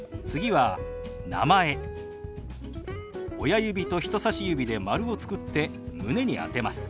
親指と人さし指で丸を作って胸に当てます。